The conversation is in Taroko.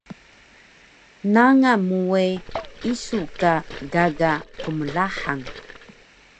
Nangal mu we isu ka gaga qmlahang